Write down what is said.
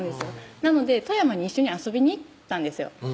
なので富山に一緒に遊びに行ったんですよ